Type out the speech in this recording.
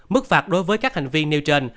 mức phạt đối với các hành vi nêu trên